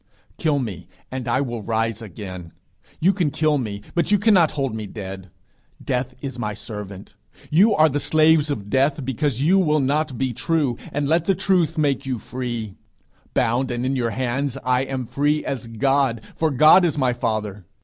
Kill me, and I will rise again. You can kill me, but you cannot hold me dead. Death is my servant; you are the slaves of Death because you will not be true, and let the truth make you free. Bound, and in your hands, I am free as God, for God is my father.